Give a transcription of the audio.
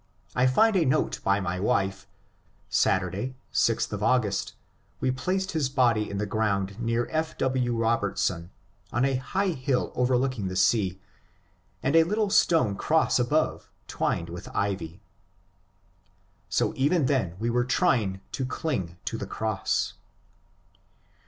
I find a note by my wife :*^ Saturday, 6th of August, we placed his body in the ground near F. W. Robertson, on a high hill overlook ing the sea, and a little stone cross above, twined with ivy." So even then we were trying to cling to the cross.